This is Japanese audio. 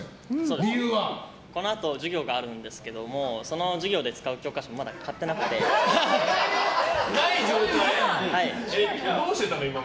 このあと授業があるんですけどその授業で使う教科書をどうしてたの？